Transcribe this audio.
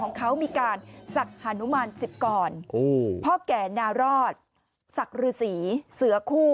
ก็มีการศักดิ์ฮานุมัน๑๐ก่อนพ่อแก่นรอดศักดิ์ฤษีเสื้อคู่